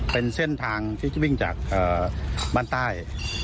เป็นเส้นทางที่จะวิ่งจากบ้านใต้